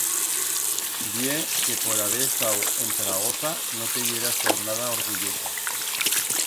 Vie que por haber estau en Zaragoza no te yeras tornada orgullosa.